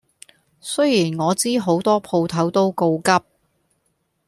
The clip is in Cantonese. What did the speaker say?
雖然我知好多鋪頭都告急